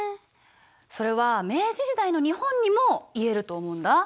それは明治時代の日本にも言えると思うんだ。